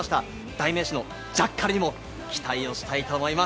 代名詞のジャッカルにも期待をしたいと思います。